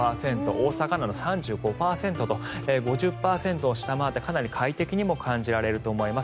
大阪など３５％と５０％を下回ってかなり快適にも感じられると思います。